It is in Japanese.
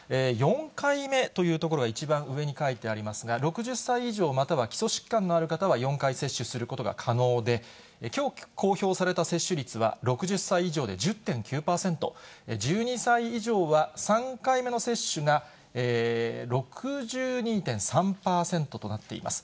４回目というところが一番上に書いてありますが、６０歳以上、または基礎疾患のある方は４回接種することが可能で、きょう公表された接種率は６０歳以上で１０．９％、１２歳以上は３回目の接種が６２．３％となっています。